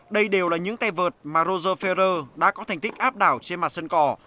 đây đều là những tây vợt mà roger ferrer đã có thành tích áp đảo trên mặt sân cỏ